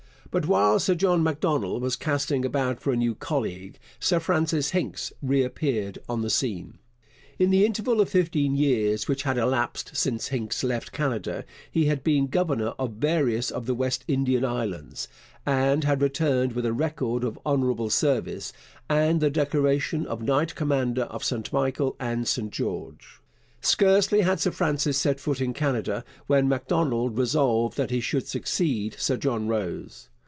But while Sir John Macdonald was casting about for a new colleague, Sir Francis Hincks reappeared on the scene. In the interval of fifteen years which had elapsed since Hincks left Canada he had been governor of various of the West India Islands, and had returned with a record of honourable service and the decoration of Knight Commander of St Michael and St George. Scarcely had Sir Francis set foot in Canada when Macdonald resolved that he should succeed Sir John Rose.